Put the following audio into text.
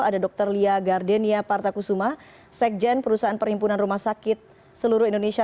ada dr lia gardenia partakusuma sekjen perusahaan perhimpunan rumah sakit seluruh indonesia